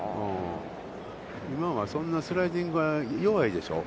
今は、そんなスライディングが弱いでしょう。